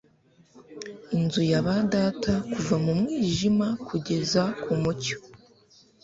Inzu ya ba data kuva mu mwijima kugeza ku mucyo